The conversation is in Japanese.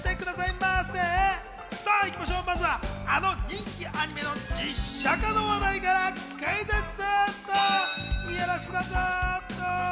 まずは、あの人気アニメの実写化の話題から、クイズッス！